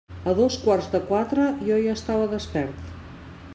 A dos quarts de quatre, jo ja estava despert.